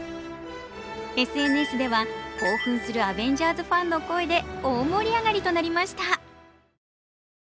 ＳＮＳでは、興奮するアベンジャーズファンの声で大盛り上がりとなりました。